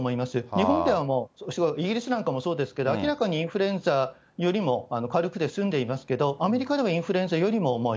日本ではもう、イギリスなんかもそうですけども、明らかにインフルエンザよりも軽くて済んでいますけれども、アメリカではインフルエンザよりも重い。